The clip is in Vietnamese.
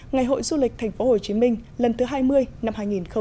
ngày hội du lịch tp hồ chí minh lần thứ hai mươi năm hai nghìn hai mươi bốn